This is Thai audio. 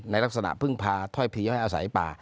ในลักษณะพึ่งพาถ้อยพีให้อาศัยป่า